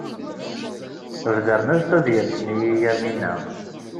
Bedren-as-d tadyant-nni i Yamina.